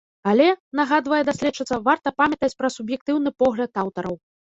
Але, нагадвае даследчыца, варта памятаць пра суб'ектыўны погляд аўтараў.